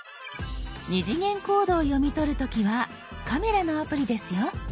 ２次元コードを読み取る時は「カメラ」のアプリですよ。